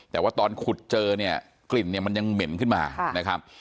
แต่ว่าตอนขุดเจอเนี่ยกลิ่นเนี่ยมันยังเหม็นขึ้นมานะครับ